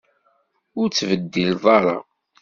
Ur tettbeddileḍ ara?